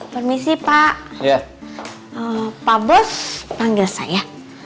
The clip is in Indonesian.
permisi pak bos panggil saya